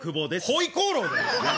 ホイコーローだよ。